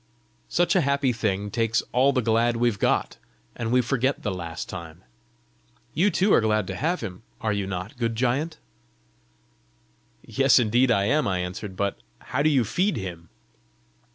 "Such a happy thing takes all the glad we've got, and we forget the last time. You too are glad to have him are you not, good giant?" "Yes, indeed, I am!" I answered. "But how do you feed him?"